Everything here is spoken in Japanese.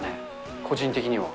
個人的には。